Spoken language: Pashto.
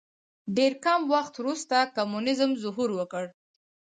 ډېر کم وخت وروسته کمونیزم ظهور وکړ.